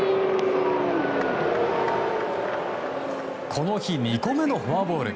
この日２個目のフォアボール。